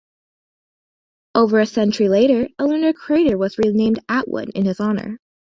Over a century later, a lunar crater was renamed Atwood in his honour.